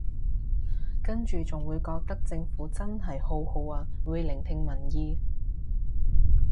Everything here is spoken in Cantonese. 跟住仲會覺得政府真係好好啊會聆聽民意